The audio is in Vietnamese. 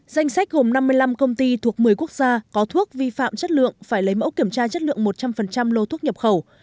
danh sách gồm năm mươi năm công ty thuộc một mươi quốc gia có thuốc vi phạm chất lượng phải lấy mẫu kiểm tra chất lượng một trăm linh lô thuốc nhập khẩu